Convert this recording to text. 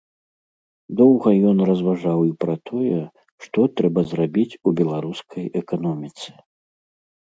Доўга ён разважаў і пра тое, што трэба зрабіць у беларускай эканоміцы.